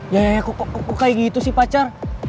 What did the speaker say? ya ya ya kok kayak gitu sih pacar